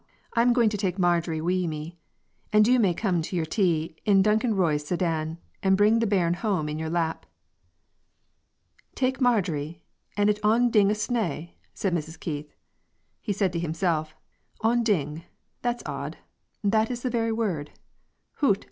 I am going to take Marjorie wi' me, and you may come to your tea in Duncan Roy's sedan, and bring the bairn home in your lap." "Tak' Marjorie, and it on ding o' snaw!" said Mrs. Keith. He said to himself, "On ding,' that's odd, that is the very word. Hoot, awa'!